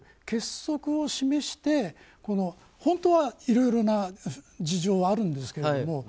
結束を示して本当はいろいろな事情はあるんですけども